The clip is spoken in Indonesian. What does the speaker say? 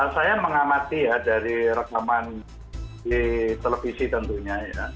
saya mengamati dari rekaman di televisi tentunya